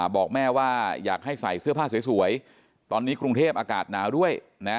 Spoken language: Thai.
บอกแม่ว่าอยากให้ใส่เสื้อผ้าสวยตอนนี้กรุงเทพอากาศหนาวด้วยนะ